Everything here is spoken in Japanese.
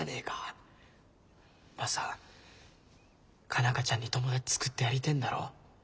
マサ佳奈花ちゃんに友達作ってやりてえんだろ？